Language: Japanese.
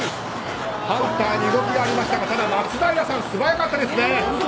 ハンターに動きがありましたが松平さんは素早かったですね。